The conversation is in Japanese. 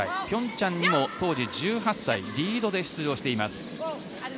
平昌にも当時１８歳リードで出場しています。